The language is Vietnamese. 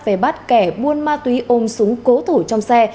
về bắt kẻ buôn ma túy ôm súng cố thủ trong xe